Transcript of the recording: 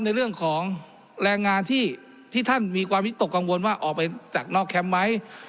ในเรื่องของแรงงานที่ท่านมีความวิตกกังวลว่าออกไปจากนอกแคมป์ไหม